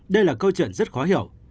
đây là câu chuyện rất khó hiểu